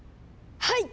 はい！